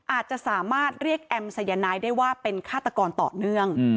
อาจจะสามารถเรียกแอมสัยนายได้ว่าเป็นฆาตกรต่อเนื่อง